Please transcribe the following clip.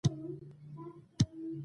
رومیان د پخلي آسانه لاره ده